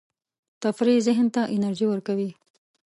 تفریح ذهن ته انرژي ورکوي.